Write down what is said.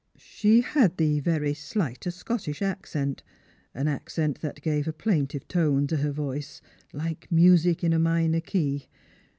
" She had the very sHghtest Scottish accent — an accent that gave a plaintive tone to her voice, like music in a minor key.